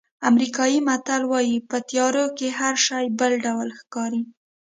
امریکایي متل وایي په تیارو کې هر شی بل ډول ښکاري.